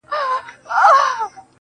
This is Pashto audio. خبرېږم زه راته ښېراوي كوې.